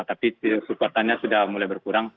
tapi kekuatannya sudah mulai berkurang